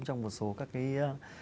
trong một số các cái